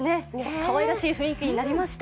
かわいらしい雰囲気になりました。